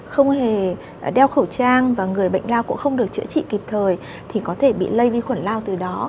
không hề đeo khẩu trang và người bệnh lao cũng không được chữa trị kịp thời thì có thể bị lây vi khuẩn lao từ đó